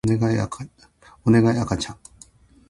おねがい赤ちゃん